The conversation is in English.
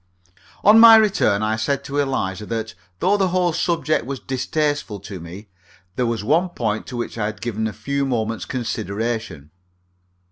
On my return I said to Eliza that, though the whole subject was distasteful to me, there was one point to which I had given a few moments' consideration.